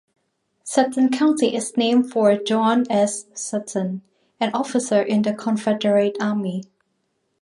Sutton County is named for John S. Sutton, an officer in the Confederate Army.